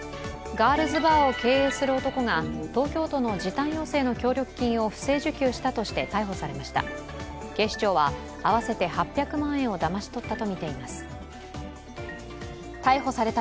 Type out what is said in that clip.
ガールズバーを経営する男が東京都の時短要請の協力金を不正受給したとして逮捕されました。